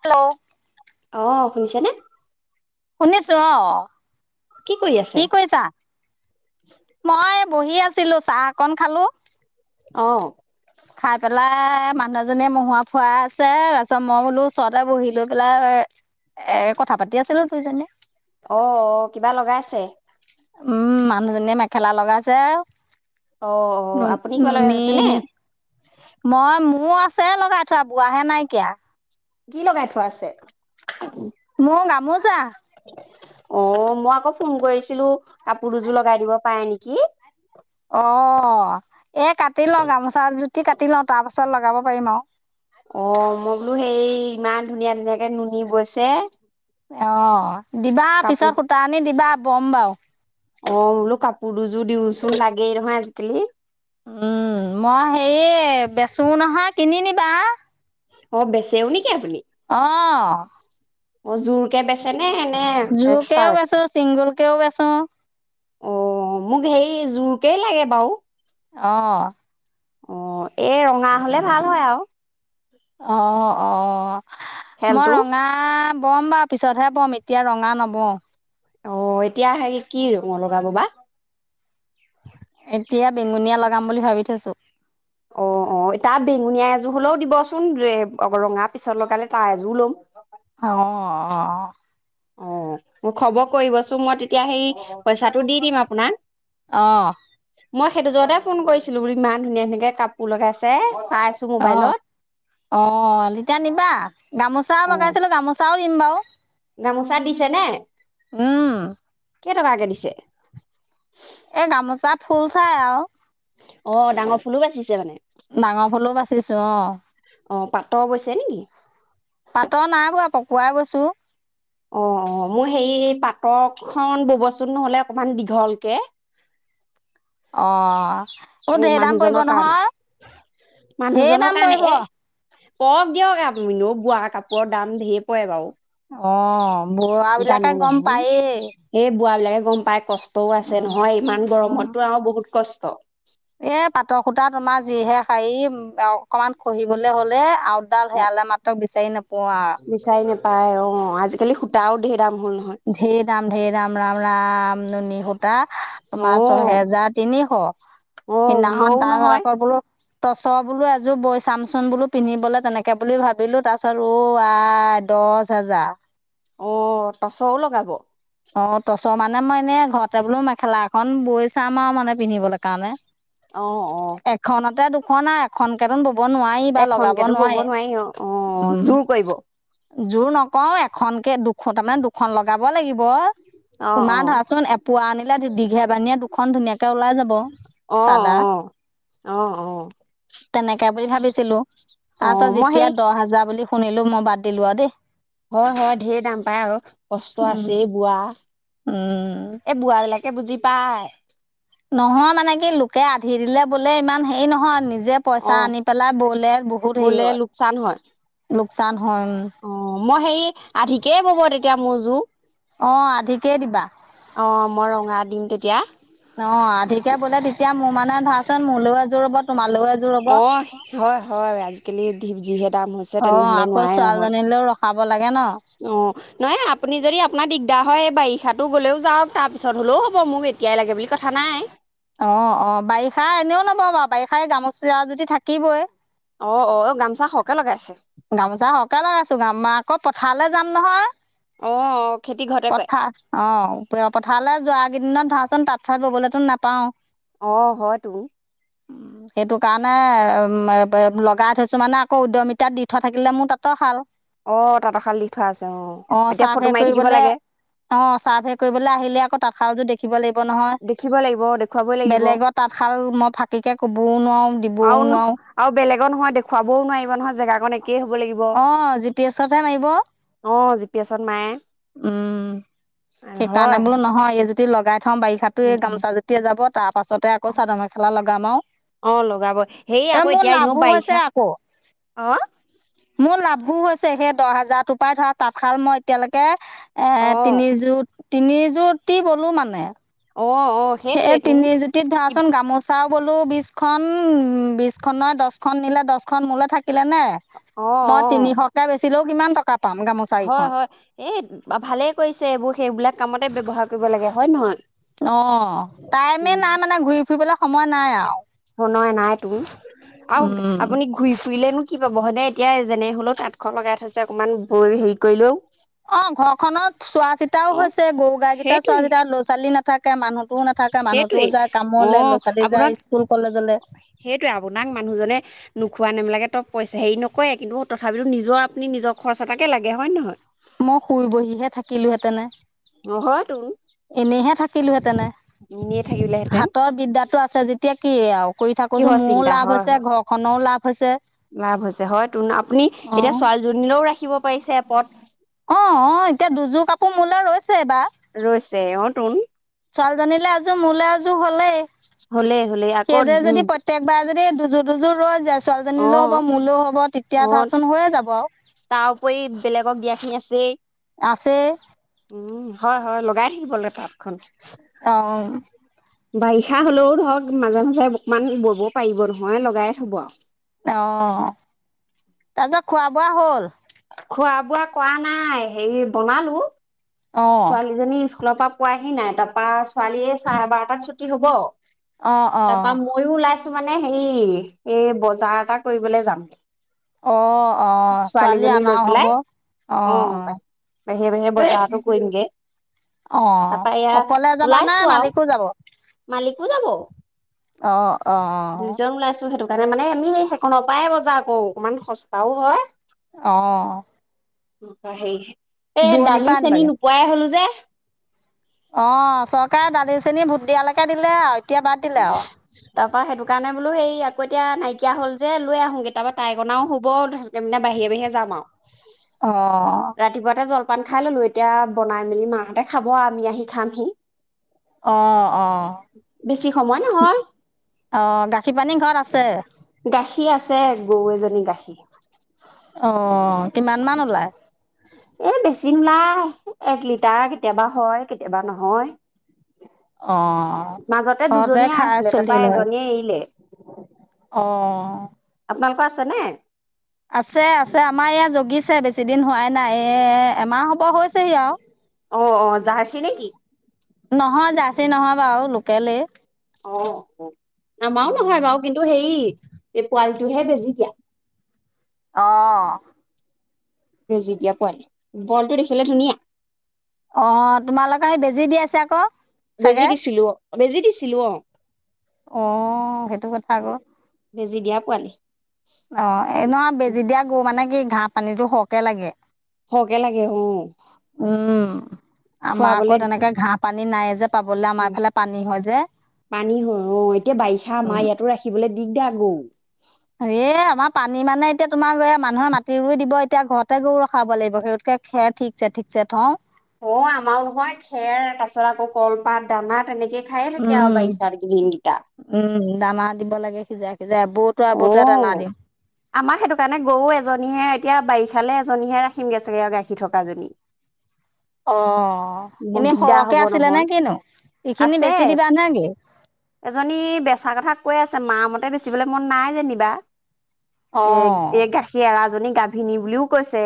Hello, অ শুনিচা নে? শুনিছো অ, কৰি আছে কি কৈছা? মই বহি আছিলো চাহ অকন খালো। অ, খাই পেলাই মানুহ এজনীয়ে মহোৱা ফুৱাই আছে তাৰপিছত মই বোলো ওচৰতে বহি লৈ পেলাই এ কথা পাতি আছিলো দুইজনীয়ে। অ-অ কিবা লগাইছে। উম, মানুহজনীয়ে মেখেলা লগাইছে আৰু। অ অ আপুনি কিবা লগাই নুন-নুনী থৈছে নে মই মোৰ আছে লগাই থোৱা বোৱাহে নাইকিয়া। কি লগাই থোৱা আছে? ত [unintelligible] মজা অ মই আকৌ ফোন কৰিছিলো কাপোৰ দুযোৰ লগাই দিব পাৰে নেকি অ এ কাটি লওঁ গামোচা জুতি কাটি লওঁ তাৰপাছত লগাব পাৰিম আৰু অ মই বোলো সেই ইমান ধুনীয়া ধুনীয়াকে নুনি বৈ ছে অ দিবা পিছত সূতা আনি দিবা বম্বাওঁ অ বোলো কাপোৰ দুযোৰ দিওঁচোন লাগেই নহয় আজিকালি উম মই হেয় বেচো নহয় কিনি নিিবা অ বেচেওঁ ন অ অ জোৰ কেে বেচে নে নে জু কেেও এক্সট্ৰাক বেচো চিংগুল কেও বেচো অ মোক হেই জোৰকেই লাগে বাৰু আহ অ এ ৰঙা হলে ভাল হয় আৰু অ অ মই খেলটো ৰঙা ব'ম বাৰু পিছতহে বম এতিয়া ৰঙা নবওঁ অ এতিয়া হে কি কি ৰুঙ লগাব বা এতিয়া বেনঙুনীয়া লগাম বুলি ভাবি থৈছোঁ অ অ এতিটা বেঙুনীয়া এযোৰ হলেও দিবচোন ৰঙা পিছত লগালে তাৰ এযোৰ লম অ অ অ মোক খবৰ কৰিবচোন মই তেতিয়া সেই পইচাটো দি দিম আপোনাক আহ মই সেইটো যতে ফোন কৰিছিলো বো ইমান ধুনীয়া ধুনীয়াকে কাপোৰ লগাইছে পাইছো অ মোবাইলত অ তেতিয়া নিবা গামোচাও অ লগাইছিলো গামোচাও থিম বওঁ গামোচা দিছে নে উম। কেই টকাকে দিছে এ গামোচা ফুল চাই আৰু অ ডাঙৰ ফুলো বাচিছে মানে ডাঙৰ ফুলো বাচিছো অ অ পাটৰ বৈছে নেকি পাতৰ নাই বোৱা প খোৱা বছো অ অ মোৰ সেই পাটৰখন ববচোন নহলে অকমান দীঘলকে অঁ এই মানুহজনৰ কাৰণে ঢেৰ মানুহজনৰ দাম কাৰণে পৰিব এ পৰক দিয়ক আপ নোও বোৱা কাপোৰৰ দাম ধঢেৰ পৰে অ বাৰু বোৱাবিলাকে জানো গম নহয় পায়েই এই বোৱা বিলাকে গম পাই কষ্টও আছে উম নহয় ইমান গৰমতটো আৰু বহুত কষ্ট অ এ পাটৰ সূতা তোমাৰ যিহে হেৰী অ অকমান খহিবলৈ হলে আউটডাল অ সেয়ালে মাত্ৰ বিচাৰি নোপোৱাও আৰু পায় অ আজিকালি সূতাওঢেৰ হ' নহ ধেৰ দাম ধঢেৰ দাম ৰাম ৰাম নুনী সূতা অ তোমাৰ ছহেজাৰ তিনিশ অ সিদিনাখন ঊলও তাৰিছত নহয় আকৌ বোলো টচ বোলো এযোৰ বৈ চামচুোন বোলো পিন্ধিবলৈ তেনেকে বুলি ভাবিলো তাৰ পাছত ৰু আই দহ হোজাৰ অ তটচও লগাব অ তছ মানে মই এনে ঘৰতে বোলো মেখেলা এখন বৈ চাম আৰু মানে পিন্ধিবলৈ কাৰণে অ অ এখনতে দু অ নাই এখন কেন ব এখনকেতো বব নোৱাৰি অ উম জোৰ কৰিব জোৰ নকও এখন কেে দুখন তাৰমানে দুখন লগাব লাগিব ব অ অ তোমাৰ ধৰাচোন এপোৱা আনিলে দীঘে বানীয়ে দুখন ধুনীয়াকে ওলাই যাব অ অ চাদা অ অ তেনেকে বুলি ভাবিছিলো অ তাৰপিছত মই যেতিয়া সেই দহ হাজাৰ বুলি শুনিলো মই বাদ দিলো দেই হয় হয় ঢেৰ দাম পায় আৰু কষ্ট উম আছেই বোৱা উম তাকে বুজি পায় নহয় মানে কি লোকে আধি দিলে বোলে ইমান হেৰি নহয় নিজে পইচা অ আনি পেলাই বলে বহুত হেৰি বোলে হয় লোকচান হয় চাম অ মই সেই আধিকেই বব তেতিয়া মোৰ যোৰ অ' আধিকেই দিবা। অ মই ৰঙা দিম তেতিয়া অ' আধিকে ব'লে তেতিয়া মোৰ মানে ধৰাচোন মোলৈও এযোৰ ৰ'ব তোমালৈও এযোৰ ৰ'ব। অ হয় হয় আজিকালি যিহে দাম হৈছে অ তেনেহলে আকৌ নোৱাৰাই ছোৱালী নহয় জনিলে পাব লাগে কেন অ নহয় আপুনি যদি আপোনাৰ দিগদাৰ হয় বাৰিষাো গ'লেও যাওক তাৰ পিছত হলেও হ'ব মোক এতিয়াই লাগে বুলি কথা নাই অ অ বাৰিষা এনেও লব বাৰু বাৰিষাই গামোচা যদি থাকিবই অ অ এ গামোচা সৰহকে লগাই আছে গামোচা সহকে লগাইছো গামোা আকৌ পথাৰলৈ যাম নহয় অ অ খেতি ঘৰতে কৰে পথাৰ অ পথাৰলৈ যোৱ কেইদিনত যাওকচোন তাত চাত ববলৈতো নাপাও অঁ হয়তো। উম সেইটো কাৰণে, উম লগাই থৈছো মানে আকৌ উদ্যমিতাৰ দি উঠা থাকিলে মোৰ তাতো খাল অ তাঁতৰশাল দি থোৱা আছে অ এতিয়া ফটো চাৰ্ভে মাৰি থাকিব কৰিবলে, লাগে অ চাৰ্ভে কৰিবলৈ আহিলে আকৌ তাঁতশালযোৰ দেখি থিকিব লাগিব নহয়, দেখিব লাগিব দেখুৱাবই লাগিব বেলেগৰ তাঁতশাল মই ফাঁকিকে কবও নোৱাও দিবও আৰু ন নোৱাও। আৰু বেলেগৰ নহয় দেখুৱাবও নোৱাৰি নহয় জেগাকন একেই হব লাগিব, অ', জি পি এছতহে মাৰিব। অ জি পি এছত মায়ে। উম, সেইকাৰণে হয়। বোলো নহয় এইজুতি লগাই [unintelligible] বাৰিষাতো উম এই উম গামোচা জুতিয়ে যাব তাৰ পাছতে আকৌ চাদৰ মেখেলা লগাম আও, অ লগাবই সেই এ আকৌ মোৰ এতিয়া এনেও লাভো হৈছে বাৰিষা আকৌ। অ মোৰ লাভ ভু হৈছে সেই দহ হাজাৰটোৰ পৰাই ধৰা তাঁতশাল মই এতিয়ালৈকে এ অ তিনি জুত তিনিজুতি বলো মানে অ অ সেই সেইটোৱেইটো তিনি জুতিত কি ধৰাচোন গামোচাও বলো বিশখন বিশখনৰ দহখন নিলে দহখন মোলৈ [unintelligible] থাকিলে নে, অ মই অ তিনিশকে বেচিলো কিমান ট- হয় হয় এই ভালেই কৰিছে এইবোৰ সেইবিলাক কামতে ব্যৱহাৰ কৰিব কৰিব লাগে হয় নহয়? অঁ টাইমে উম নাই মানে ঘূৰি ফুৰিবলে সম [unintelligible] আৰু আপুনি ঘূৰি [unintelligible] ফুৰিলেনো কি পাব হয়নে এতিয়া যেনে হলেও তাঁতখন লগাই থৈছে অকণমান বৈ হেৰি কৰিলেও অণ ঘৰখনত চোৱা-চিতাও অ হৈছে গৰু গাই কেইটা চোৱা-চিতা ল'ৰা ছোৱালী না থাকে মানুহ সেইটোৱে অ ছোৱালী যায় আপোনাক স্কুল কলেজলৈ সেইটোৱে আপোনাক মানুহজনে নোখোৱা নেমেলাকে থ পইচা হেৰি নকৰে কিন্তু তথাপিতো নিজৰ আপুনি নিজৰ খৰচ এটাকে লাগে হয় নহয়? মই শুই বহিহে থাকিলোহেঁতেনে। নহয় তোন এনেহে থাকিলোহেঁতেনে এনেই থাকিলেহেঁতেন হাতৰ বিদ্যাটো আছে যেতিয়া কি আও কৰি থাকোচোন কিহৰ মোৰো চিন্তা লাভ হয় হৈছে হয় ঘৰখনৰো লাভ। হৈছে। লাভ হৈছে হয়তোন আপুনি এতিয়া অঁ ছোৱালীজনীলৈও ৰাখিব পায়িছে [inaudible] অঁ অঁ এতিয়া [unintelligible] ৰৈছে বা ৰৈছে অঁ তোন। ছোৱালীজনীলৈ এযোৰ মোলৈ এযোৰ হলেই, হ'লেই হ'লেই আকৌ সেই যে উম যদি প্ৰত্যেকবাৰ যদি দুযোৰ দুযোৰ ৰৈ যায় অ ছোৱালীজনীলেও হ'ব মোলেও হ'ব তেতিয়া অ ধৰাচোন হৈয়ে যাব আৰু তাৰ উপৰি বেলেগক দিয়াখিনি আছেই আছেই উম হয় হয় লগাই থাকিব লাগে তাঁতখন অ বাৰিষা হলেও ধৰক মাজে মাজে অকমান বব পাৰিব নহয় লগাই থব আৰু অ তাৰ পিছত খোৱা বোৱা হ'ল? খোৱা বোৱা কৰা নাই হেৰি বনালো অঁ ছোৱালীজনী ইছ কুলৰ পৰা পোৱাহি নাই তাৰ পা ছোৱালীয়ৰ চাৰে বাৰটাত ছুটি হ'ব অঁ অঁ তাপা মইও ওলাইছো। মানে হেৰি এই বজাৰ এটা কৰিবলৈ যাম। অ'। অ' ছোৱালী ছোৱালীজনীক লৈ আনাও হ'ব পেলাই অ', অ। বাহিৰে বাহিৰে বজাৰ অকণ কৰিমগে। অ' তাৰপা এয়া অকলে যাবা নে ওলাইছো আৰু মালিকো যাব? মালিকো যাব অ'। অ', দুইজন ওলাইছো হেতু তাৰ মানে আমি এই সেইখনৰ পৰাই বজাৰ কৰো অকমান সস্তাও হয়। অ', [unintelligible] এ' দূৰণিৰ দালি পৰা চেনি আনিবাগে নোপোৱাই হলো যে? লি, চেনি ভোট দিয়ালৈকে দিলে আৰু এতিয়া বাদ দিলে আৰু তাৰপা সেইটো কাৰণে বোলো সেই আকৌ এতিয়া নাইকিয়া হ'ল। যে লৈ আহোগে তাৰপা তাইক অনাও হ'ব বাহিৰে বাহিৰে যাম আৰু অ'। ৰাতিপুৱাতে জল- পান খাই ললো এতিয়া বনাই মেলি মা হঁতে খাব। আমি আহি খামহি, অ', অ। বেছি সময় নহয় অ', গাখীৰ পানী ঘৰত আছে? গাখীৰ আছে গৰু এজনী গাখীৰ। অ', কিমান মান ওলাই? এ' বেছি নোলাই এক লিটাৰ কেতিয়াবা হয় কেতিয়াবা নহয়। অ', মাজতে ঘৰতে দুজনীয়ে খাই আছিলে চলি তাৰপা থাকিলে হয় এজনীয়ে এৰিলে অ'। কৰ আছেনে? আছে আছে আমাৰ এইয়া জগিছে বেছি দিন হোৱাই নাই এ' এমাহ হ'ব হৈছেহি আৰু অ', অ জাৰ্ছী নেকি? ৰ্ছী নহয় বাৰু লোকেলে। অ', আমাৰো নহয় বাৰু কিন্তু হেই এই পোৱালিটোহে বেজি দিয়া। অ',। বেজি দিয়া পোৱালি, পোৱালিটো দেখিলে ধুনীয়া। অ' তোমালোকৰ বেজি দি আছে আকৌ। বেজি চাগে দিছিলো, বেজি দিছিলো অ'। অ সেইটো কথা আকৌ বেজি দিয়া পোৱালি। অ' এ নহয় বেজি দিয়া গৰু মানে কি? ঘাঁহ পানীটো সৰহকে লাগে। সৰহকে লাগে অ উ'ম আমাৰ আকৌ খোৱাবলে তেনেকে ঘাঁহ পানী নাই যে পাবলে আমাৰ এইফালে পানী হয় যে পানী হয় অ' এতিয়া বাৰিষা মাই ইয়াতো ৰাখিবলৈ দিগদাৰ আৰু এই আমাৰ পানী মানে এতিয়া তোমাৰ মানুহে মাঠি ৰুই দিব, এতিয়া ঘৰতে গৰু ৰখাব লাগিব। সেইতকে খেৰ ঠিকছে ঠিকছে থওঁ। অ 'আমাৰো নহয় খেৰ তাৰপাছত আকৌ কলপাত দানা তেনেকে খাইয়ে থাকে আৰু উম বাৰিষা দিন কেইটা উম দানা দিব লাগে সিজাই সিজাই এবতোৰা এবতোৰা দানা অ' দিওঁ আমাৰ সেইটো কাৰণে গৰু এজনীয়ে এতিয়া বাৰিষা ফালে এজনীহে ৰাখিম গেছোগে গাখি থকা জনী অ 'এনে সৰহকে হ'ব আছিলে নে নহয়। কিনো এইখিনি আছে বেচি দিবা নে কি? এজনী বেচা কথা কৈ মা মতে বেছিবলৈ মন নাই যেনিবা। অ এ এ গাখীৰ এৰাজনী গা ভিনী বুলিও কৈছে।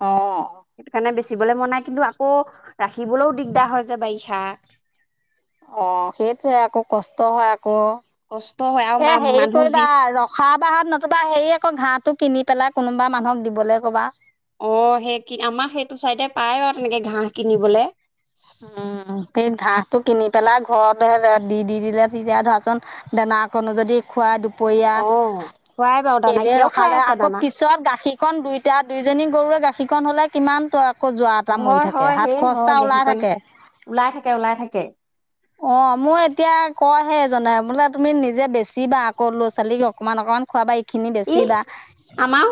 অ' চিবলৈ মন নাই কিন্তু আকৌ ৰাখিবলৈও দিগদাৰ হয় যে বাৰিষা অ' সেইটোয়ে আকৌ কষ্ট হয়। আকৌ কষ্ট হয় আৰু এ! হেৰি মা-মানুহ কৰিবা যি ৰখা বাহাত নতুবা হেৰি আকৌ ঘাঁহটোক কিনি পেলাই কোনোবা মানুহক দিবলৈ ক'বা। অ' সেই কি আমাক সেইটো চাইডে পায় আৰু তেনেকে ঘাঁহ কিনিবলৈ। উ'ম। সেই ঘাঁহটো কিনি পেলাই ঘৰত দি দি দিলে। তেতিয়া ধৰাচোন দানাকণো যদি খুৱাই দুপৰীয়া অ খুৱাই বাৰু সেই দানা দে এতিয়াও খুৱাই ৰখালে আছে আকৌ দানা পিছত গাখীৰ। এখন দুইটা দুইজনী গৰুৱৰে গাখীৰখন হলে কিমান কজোৱা এটা মৰি হয় থাকে হয় হাত সেই খৰচটা হয় ওলাই থাকে। গেহীকণ ওলাই থাকে, ওলাই থাকে। অ', মই এতিয়া কহে জাননে বোলে তুমি নিজে বেছি ব কৰ ল'ৰা ছোৱালীক অকনমান অকমান খোৱাবা। খিনি ই বেছি বা আমাৰো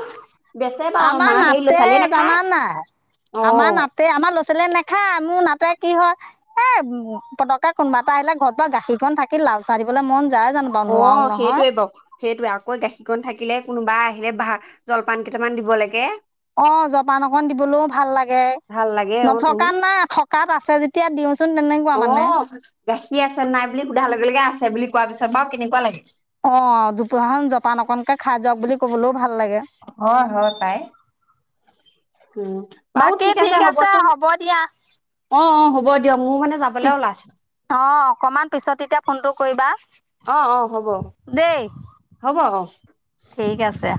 বেচে বাৰু আমাৰ সেই ল'ৰা নাতে ছোৱালীয়ে নাখায় জানা নাই অ আমাৰ নাতে আমাৰ নেখায় মোৰ নাপায় কি হয় এ উ'ম পতকে কোনোবা এটা আহিল ঘৰ পৰা গাখীৰকন থাকি লাল চাহ দিবলৈ মন। যায় জানো বাৰু অ নোৱাৰো নহয় সেইটোৱে বাও। সেইটোৱে আকৌ গাখীৰকণ থাকিলে কোনোবা আহিলে বাহ জলপান কেইটামান দিব লাগে। অ'জপান অকন দিবলৈও ভাল লাগে ভাল লাগে অ তুম নথকাত নাই থকা তাত আছে যেতিয়া দিওঁ চোন অ 'গাখীৰ আছে নাই বুলি সোধাৰ লগে লগে আছে বুলি কোৱা পিছত বাৰু কেনেকুৱা লাগে। অ 'জোপুহাখন জোপা অকনকে খাই যাওক বুলি ক'বলৈও ভাল লাগে হয়- হয় পাই উম বাৰু বাকী ঠিক আছে হ'বচোন হ'ব দিয়া অ অ হ'ব দিয়ক মোৰ মানে যাবলৈ ওলাইছিলো। অ অকণমান পিছত এতিয়া ফোনটো কৰিবা। আহ অ হ'ব দেই হব আহ। ঠিক আছে